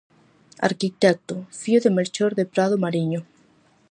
Arquitecto, fillo de Melchor de Prado Mariño.